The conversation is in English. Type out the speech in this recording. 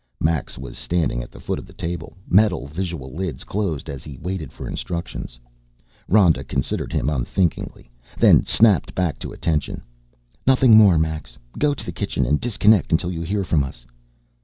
Max was standing at the foot of the table, metal visual lids closed as he waited for instructions. Rhoda considered him unthinkingly, then snapped back to attention. "Nothing more, Max, go to the kitchen and disconnect until you hear from us."